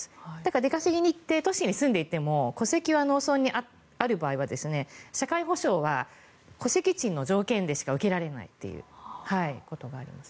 出稼ぎに行って都市に住んでいても戸籍は農村にある場合は社会保障は戸籍地の条件でしか受けられないということがあります。